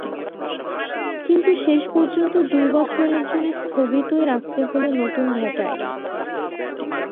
কিন্তু শেষ পর্যন্ত দুই বছরের জন্য স্থগিতই রাখতে হলো নতুন ভ্যাট আইন।